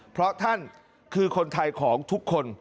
เพราะท่านคือคนไทยของทุกคน